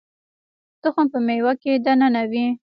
تخم په مېوه کې دننه وي